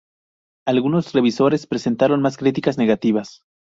Algunos revisores presentaron más críticas negativas.